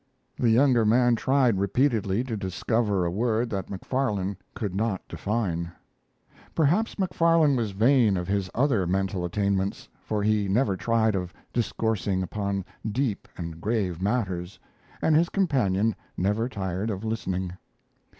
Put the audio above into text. The younger man tried repeatedly to discover a word that Macfarlane could not define. Perhaps Macfarlane was vain of his other mental attainments, for he never tired of discoursing upon deep and grave matters, and his companion never tired of listening.